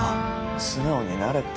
素直になれって。